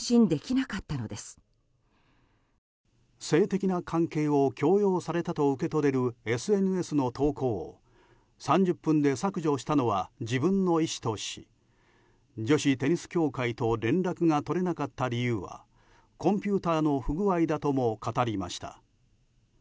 性的な関係を強要されたと受け取れるＳＮＳの投稿を３０分で削除したのは自分の意志とし女子テニス協会と連絡が取れなかった理由はコンピューターの不具合だとも語りました。